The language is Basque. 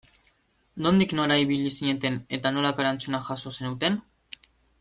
Nondik nora ibili zineten eta nolako erantzuna jaso zenuten?